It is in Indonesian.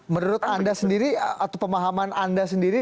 menurut anda sendiri atau pemahaman anda sendiri